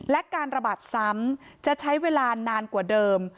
และการระบาดซ้ำจะใช้เวลานานกว่าเดิม